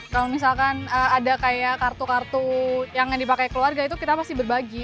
kalau misalkan ada kayak kartu kartu yang dipakai keluarga itu kita masih berbagi